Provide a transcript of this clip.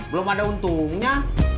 belum ada untungnya